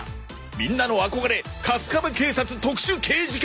みんなの憧れカスカベ警察特殊刑児課！